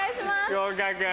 合格。